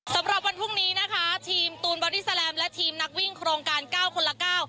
สำหรับวันพรุ่งนี้นะคะทีมตูนบอดี้แลมและทีมนักวิ่งโครงการเก้าคนละเก้า